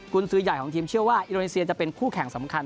คุณซื้อใหญ่ของทีมเชื่อว่าอินโดนีเซียจะเป็นคู่แข่งสำคัญ